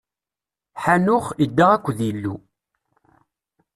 Ḥanux idda akked Yillu.